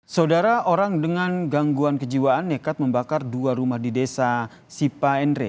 saudara orang dengan gangguan kejiwaan nekat membakar dua rumah di desa sipaenre